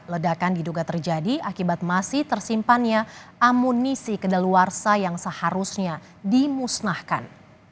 ledakan diduga terjadi akibat masih tersimpannya amunisi kedaluarsa yang seharusnya dimusnahkan